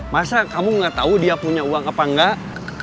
masa kamu nggak tahu dia punya uang apa enggak